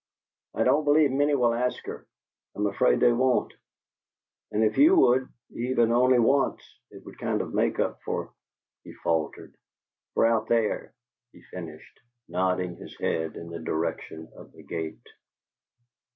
I don't believe many will ask her I'm afraid they won't and if you would, even only once, it would kind of make up for" he faltered "for out there," he finished, nodding his head in the direction of the gate.